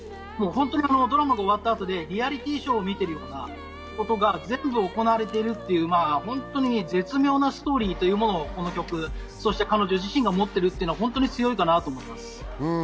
ドラマが終わった後でリアリティーショーを見ているようなことが全部行われているという絶妙なストーリーというものをこの曲、彼女自身が持っているというのが強いと思います。